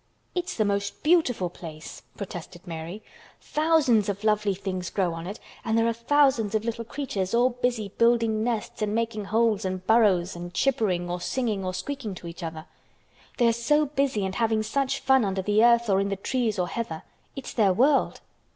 "It's the most beautiful place," protested Mary. "Thousands of lovely things grow on it and there are thousands of little creatures all busy building nests and making holes and burrows and chippering or singing or squeaking to each other. They are so busy and having such fun under the earth or in the trees or heather. It's their world."